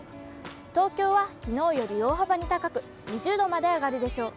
東京はきのうより大幅に高く、２０度まで上がるでしょう。